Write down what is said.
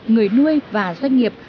người nuôi và doanh nghiệp